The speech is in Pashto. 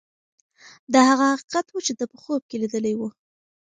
دا هغه حقیقت و چې ده په خوب کې لیدلی و.